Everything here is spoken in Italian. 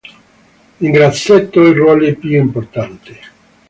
In grassetto i ruoli più importanti.